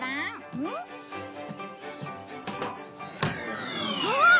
うん？あっ！